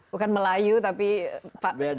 bukan melayu tapi pacific island